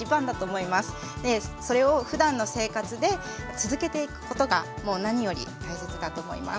それをふだんの生活で続けていくことがもう何より大切だと思います。